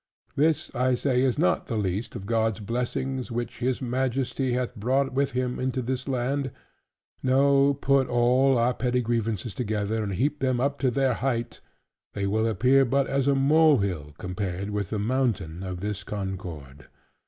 This I say is not the least of God's blessings which his Majesty hath brought with him unto this land: no, put all our petty grievances together, and heap them up to their height, they will appear but as a molehill compared with the mountain of this concord.